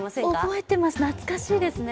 覚えています、懐かしいですね。